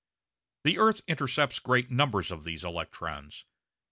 The earth intercepts great numbers of these electrons.